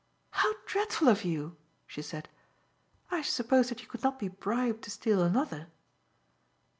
"How dreadful of you!" she said, "I suppose that you could not be bribed to steal another?"